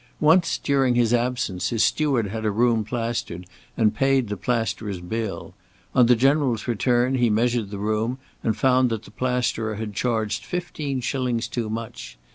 Once, during his absence, his steward had a room plastered, and paid the plasterer's bill. On the General's return, he measured the room, and found that the plasterer had charged fifteen shillings too much.